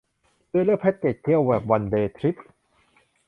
โดยเลือกแพ็กเกจเที่ยวแบบวันเดย์ทริป